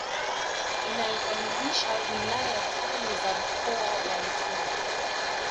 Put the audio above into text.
Inayokamilisha wilaya tano za mkoa wa Mtwara